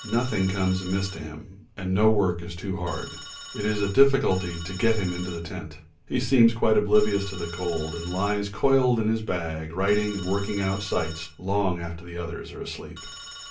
Nothing comes amiss to him, and no work is too hard. It is a difficulty to get him into the tent; he seems quite oblivious of the cold, and he lies coiled in his bag writing and working out sights long after the others are asleep.